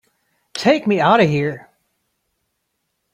Take me out of here!